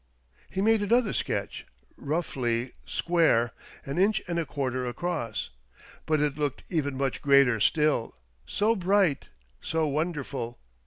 He made another sketch, roughly square, an inch and a quarter across. " But it looked even much greater still, so bright, so wonderful